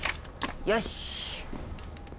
よし！